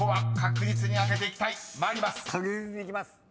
確実にいきます。